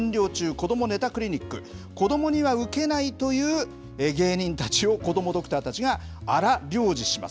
こどもネタクリニック、子どもにはウケないという芸人たちをこどもドクターたちが荒療治します。